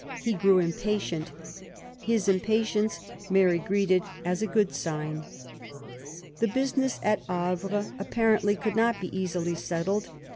— he grew impatient. His impatience Mary greeted as a good sign. The business at Havre apparently could not be easily settled.